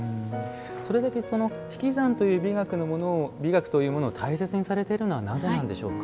それほど引き算の美学というものを大切にされているのはなぜなんでしょうか？